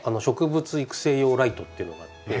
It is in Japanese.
植物育成用ライトっていうのがあって。